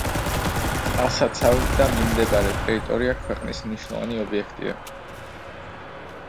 წყალსაცავი და მიმდებარე ტერიტორია ქვეყნის მნიშვნელოვანი ობიექტია.